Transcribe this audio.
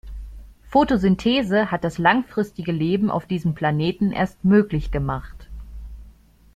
Photosynthese hat das langfristige Leben auf diesem Planeten erst möglich gemacht.